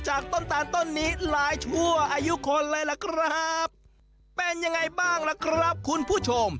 ต้นตาลต้นนี้หลายชั่วอายุคนเลยล่ะครับเป็นยังไงบ้างล่ะครับคุณผู้ชม